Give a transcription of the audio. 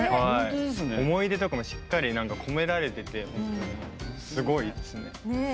思い出とかもしっかり込められてて、すごいですね。